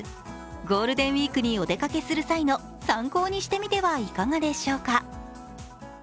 ゴールデンウイークにお出かけする際の参考にしてみてはいかがでしょうか。